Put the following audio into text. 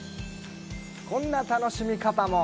こんな楽しみ方も。